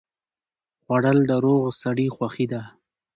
خوړل د روغ سړي خوښي ده